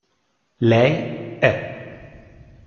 Lei è